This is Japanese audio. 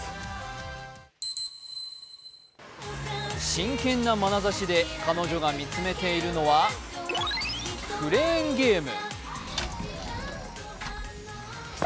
真剣なまなざしで彼女が見つめているのはクレーンゲーム。